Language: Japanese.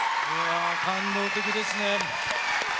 感動的ですね。